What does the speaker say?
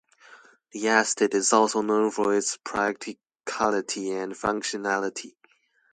The estate is also known for its practicality and functionality.